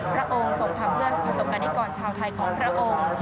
พระองค์ส่งทำเพื่อประสบการณิกรชาวไทยของพระองค์